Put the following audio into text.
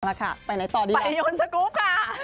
เอาล่ะค่ะไปไหนต่อดีกว่าไปโยนสกุปค่ะ